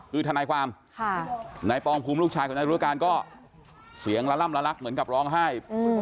คือทนายความนายปองภูมิลูกชายของนายรุการก็เสียงละล่ำละลักเหมือนกับร้องไห้